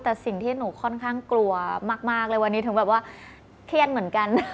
แต่สิ่งที่หนูค่อนข้างกลัวมากเลยวันนี้ถึงแบบว่าเครียดเหมือนกัน